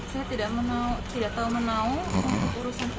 saya tidak tahu menahu urusan uang itu